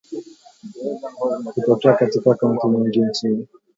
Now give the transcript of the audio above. Hutokea katika kaunti nyingi nchini